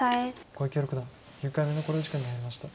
小池六段９回目の考慮時間に入りました。